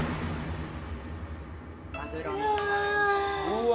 うわ！